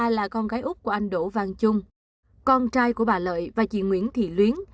ba là con gái úc của anh đỗ văn trung con trai của bà lợi và chị nguyễn thị luyến